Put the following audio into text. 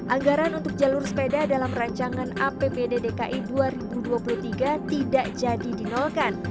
anggaran untuk jalur sepeda dalam rancangan apbd dki dua ribu dua puluh tiga tidak jadi dinolkan